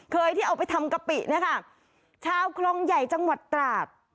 เคยที่เอาไปทำกะปิเนี่ยค่ะชาวคลองใหญ่จังหวัดตราด